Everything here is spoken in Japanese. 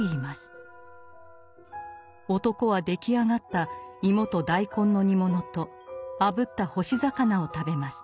男は出来上がった芋と大根の煮物とあぶった干し魚を食べます。